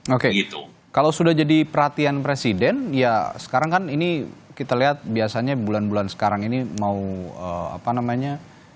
oke kalau sudah jadi perhatian presiden ya sekarang kan ini kita lihat biasanya bulan bulan sekarang ini mau apa namanya